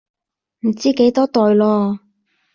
唔知幾多代囉